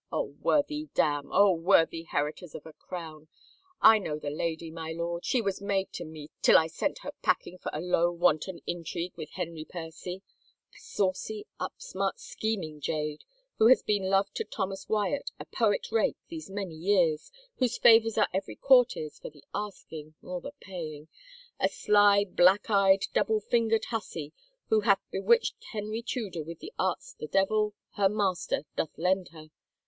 Oh, worthy dam — Oh, worthy heritors of a crown I I know the lady, my lord, she was maid to me till I sent her packing for a low wanton intrigue with Henry Percy — a saucy, upstart, scheming jade, who has been love to Thomas Wyatt, a poet rake, these many years, whose favors are every courtier's for the asking — or the paying !— a sly, black eyed, double fingered hussy who hath bewitched Henry Tudor with the arts the devil, her master, doth lend her!